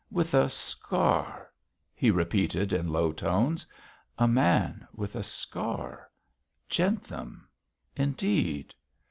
'With a scar,' he repeated in low tones. 'A man with a scar Jentham indeed!